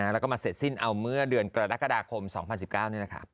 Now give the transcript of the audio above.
แล้วก็มาเสร็จสิ้นเอาเมื่อเดือนกรกฎาคม๒๐๑๙นี่แหละค่ะ